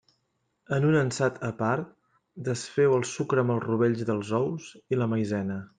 En un ansat a part, desfeu el sucre amb els rovells dels ous i la Maizena.